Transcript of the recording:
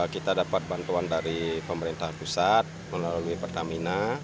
kita dapat bantuan dari pemerintah pusat melalui pertamina